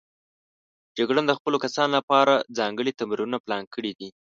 جګړن د خپلو کسانو لپاره ځانګړي تمرینونه پلان کړي دي.